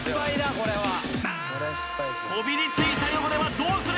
これはこびりついた汚れはどうする？